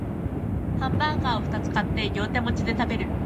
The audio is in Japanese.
ハンバーガーをふたつ買って両手持ちで食べる